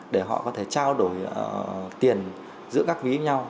để họ có thể trao đổi tiền giữa các ví với nhau